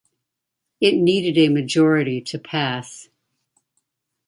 It needed a majority to pass.